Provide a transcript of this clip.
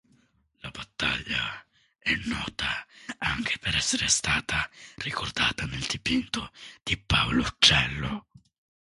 La battaglia è nota anche per essere stata ricordata nel dipinto di Paolo Uccello.